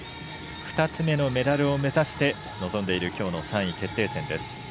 ２つ目のメダルを目指して臨んでいるきょうの３位決定戦です。